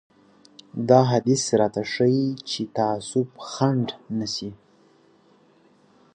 دا حديث راته ښيي چې تعصب خنډ نه شي.